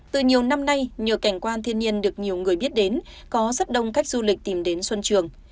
từ nhiều năm nay nhờ cảnh quan thiên nhiên được nhiều người biết đến có rất đông khách du lịch tìm đến xuân trường